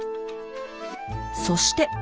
そして。